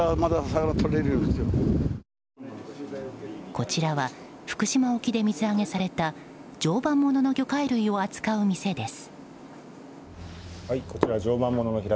こちらは福島沖で水揚げされた常磐ものの魚介類を扱う店です。